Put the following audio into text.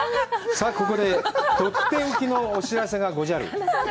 さあ、ここで、取って置きのお知らせがごじゃる。